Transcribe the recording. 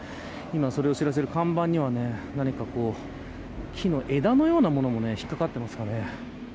それを知らせる看板には木の枝のようなものも引っかかっていますね。